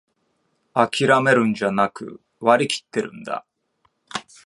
あきらめるんじゃなく、割りきってるんだ